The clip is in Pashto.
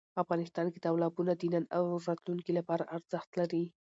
افغانستان کې تالابونه د نن او راتلونکي لپاره ارزښت لري.